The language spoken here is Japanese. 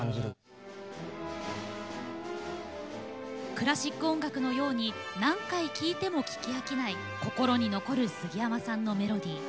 クラシック音楽のように何回聴いても聞き飽きない心に残るすぎやまさんのメロディー。